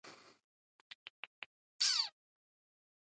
د پرواز فکر یې نه وو نور په سر کي